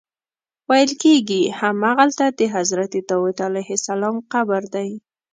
ویل کېږي همغلته د حضرت داود علیه السلام قبر دی.